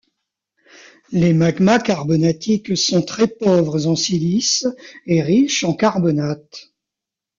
Les magmas carbonatiques sont très pauvres en silice et riches en carbonates.